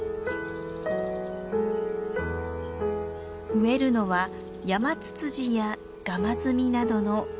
植えるのはヤマツツジやガマズミなどの低い木。